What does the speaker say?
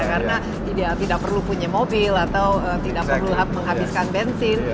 karena tidak perlu punya mobil atau tidak perlu menghabiskan bensin